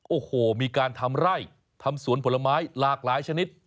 โอ้โหมีการทำไร่ทำสวนผลไม้หลากหลายชนิด